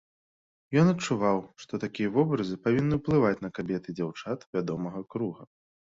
Ён адчуваў, што такія вобразы павінны ўплываць на кабет і дзяўчат вядомага круга.